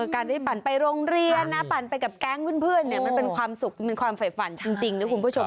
การได้ปั่นไปโรงเรียนนะปั่นไปกับแก๊งเพื่อนมันเป็นความสุขมันเป็นความฝ่ายฝันจริงนะคุณผู้ชม